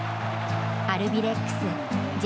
アルビレックスＪ